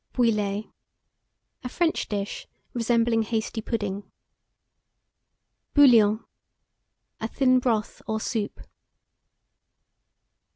BOUILLIE. A French dish resembling hasty pudding. BOUILLON. A thin broth or soup.